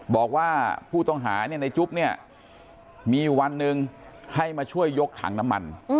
บอกว่าผู้ต้องหาเนี่ยในจุ๊บเนี่ยมีอยู่วันหนึ่งให้มาช่วยยกถังน้ำมัน